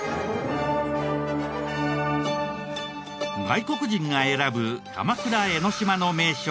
外国人が選ぶ鎌倉・江の島の名所